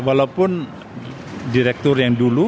walaupun direktur yang dulu